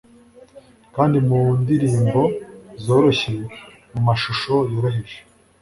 kandi mu ndirimbo zoroshye, mu mashusho yoroheje